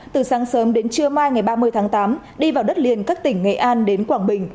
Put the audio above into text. từ sáng sớm đến trưa mai ngày ba mươi tháng tám đi vào đất liền các tỉnh nghệ an đến quảng bình